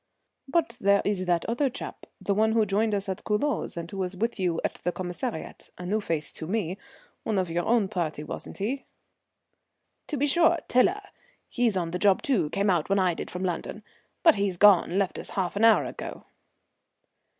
"But there is that other chap, the one who joined us at Culoz, and who was with you at the Commissariat, a new face to me. One of your own party, wasn't he?" "To be sure, Tiler; he's on the job, too, came out when I did from London. But he's gone, left us half an hour ago."